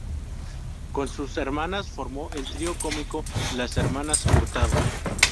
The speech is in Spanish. Con sus hermanas formó el trío cómico Las Hermanas Hurtado.